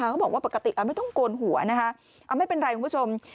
เขาบอกว่าปกติไม่ต้องโกนหัวนะคะไม่เป็นไรคุณผู้ชม